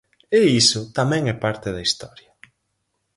E iso tamén é parte da historia.